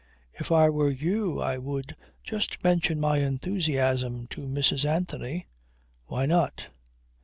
If I were you I would just mention my enthusiasm to Mrs. Anthony. Why not?"